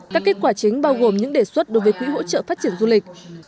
các kết quả chính bao gồm những đề xuất đối với quỹ hỗ trợ phát triển du lịch